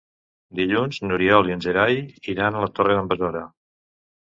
Dilluns n'Oriol i en Gerai iran a la Torre d'en Besora.